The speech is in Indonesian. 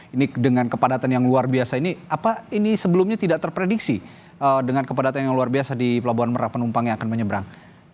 ini dengan kepadatan yang luar biasa ini apa ini sebelumnya tidak terprediksi dengan kepadatan yang luar biasa di pelabuhan merak penumpang yang akan menyeberang